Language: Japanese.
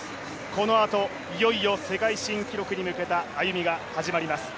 このあと、いよいよ世界新記録に向けた歩みが始まります。